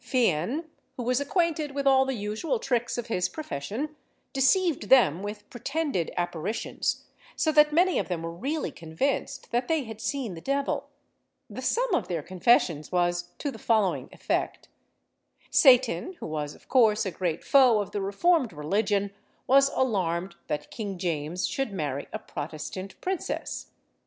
Fian, who was acquainted with all the usual tricks of his profession, deceived them with pretended apparitions, so that many of them were really convinced that they had seen the devil. The sum of their confessions was to the following effect: Satan, who was, of course, a great foe of the reformed religion, was alarmed that King James should marry a Protestant princess.